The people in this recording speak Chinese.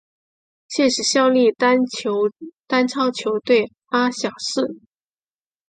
现时效力丹超球队阿晓士。